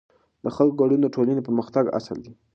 د خلکو ګډون د ټولنې پرمختګ اصل دی